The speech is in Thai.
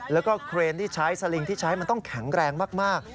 แล้วก็เครนที่ใช้สลิงที่ใช้มันต้องแข็งแรงมาก